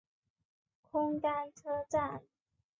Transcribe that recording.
空丹车站。